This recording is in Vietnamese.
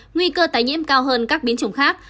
nguy cơ tái nhiễm cao hơn các biến chủng khác